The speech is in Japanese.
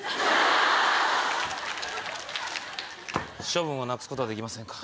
処分をなくすことはできませんか？